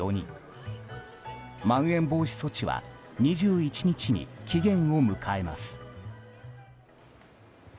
まん延防止措置は２１日に期限を迎えます。